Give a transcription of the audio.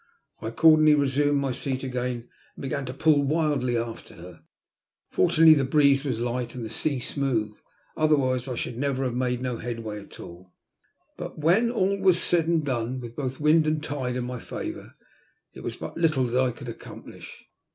I accordingly resumed my seat again and began to pull wildly after her. Fortunately the breeze was light and the sea smooth, otherwise I should have made no headway at all. But when all was said and done, with both wind and tide in my favour, it was but little that I could accomplish.